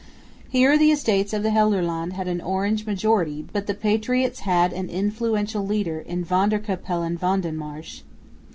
Here the Estates of the Gelderland had an Orange majority, but the patriots had an influential leader in Van der Capellen van den Marsch.